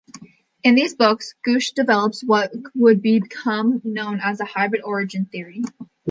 In these books, Gooch develops what would become known as the "hybrid-origin theory".